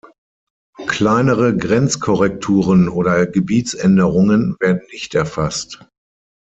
Kleinere Grenzkorrekturen oder Gebietsänderungen werden nicht erfasst.